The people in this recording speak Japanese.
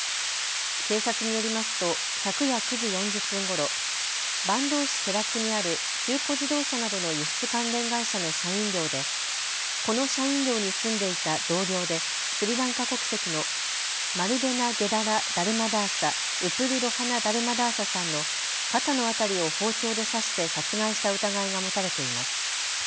警察によりますと昨夜９時４０分ごろ、坂東市寺久にある中古自動車などの輸出関連会社の社員寮でこの社員寮に住んでいた同僚でスリランカ国籍のマルデナゲダラダルマダーサ・ウプルロハナダルマダーサさんの肩の辺りを包丁で刺して殺害した疑いが持たれています。